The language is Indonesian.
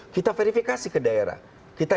kita verifikasi ke daerah kita